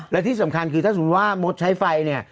และที่สำคัญคือถ้าสมมุติว่ามดใช้ไฟเนี่ย